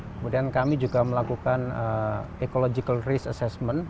kemudian kami juga melakukan echological risk assessment